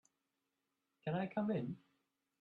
Can I come in?